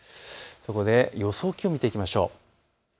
そこで予想気温見ていきましょう。